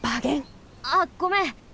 あっごめん！